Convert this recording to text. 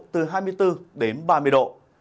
từ hai mươi bốn đến ba mươi độ